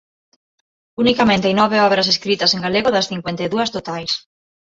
Unicamente hai nove obras escritas en galego das cincuenta e dúas totais.